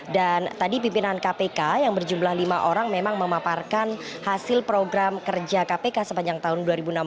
dan tadi pimpinan kpk yang berjumlah lima orang memang memaparkan hasil program kerja kpk sepanjang tahun dua ribu enam belas